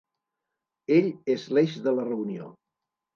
Ell és l'eix de la reunió.